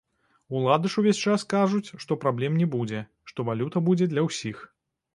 Улады ж увесь час кажуць, што праблем не будзе, што валюта будзе для усіх.